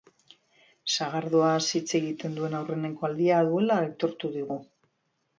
Sagardoaz hitz egiten duen aurrenengo aldia duela aitortu digu.